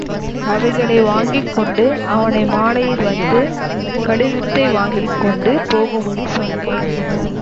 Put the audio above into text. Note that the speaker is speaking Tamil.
அவைகளை வாங்கிக் கொண்டு, அவனை மாலையில் வந்து கடிதத்தை வாங்கிக்கொண்டு போகும்படி சொன்னேன்.